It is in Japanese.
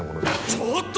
ちょっと！